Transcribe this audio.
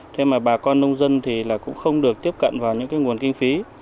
thế mà bà con nông dân cũng không được tiếp cận vào những nguồn kinh phí